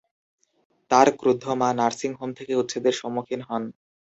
তার ক্রুদ্ধ মা নার্সিং হোম থেকে উচ্ছেদের সম্মুখীন হন।